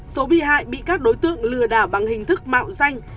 số bị hại bị các đối tượng lừa đảo bằng hình thức mạo danh